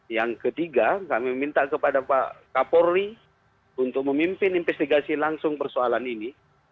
yang ketiga kami minta kepada pak kapolri untuk memimpin investigasi langsung persoalan ini